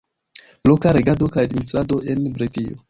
Loka regado kaj administrado en Britio.